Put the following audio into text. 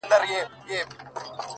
• بدراتلونکی دې مستانه حال کي کړې بدل؛